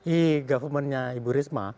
i government nya ibu rizwa